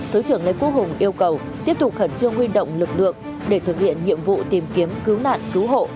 thứ trưởng lê quốc hùng yêu cầu tiếp tục khẩn trương huy động lực lượng để thực hiện nhiệm vụ tìm kiếm cứu nạn cứu hộ